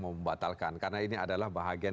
membatalkan karena ini adalah bahagian